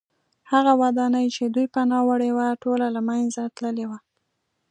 هغه ودانۍ چې دوی پناه وړې وه ټوله له منځه تللې وه